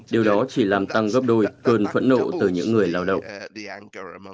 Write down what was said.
điều đó chỉ làm tăng gấp đôi cơn phẫn nộ từ những người lao động